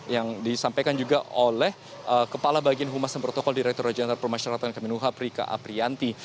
yang disampaikan juga oleh kepala bagian humasan protokol direktur raja nara permasyaratan kemenuhaprika aprianti